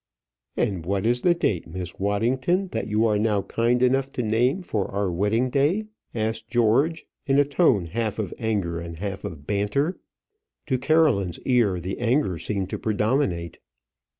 "And what is the date, Miss Waddington, that you are now kind enough to name for our wedding day?" asked George, in a tone half of anger and half of banter. To Caroline's ear, the anger seemed to predominate.